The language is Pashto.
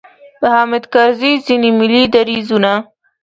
د حامد کرزي ځینې ملي دریځونو.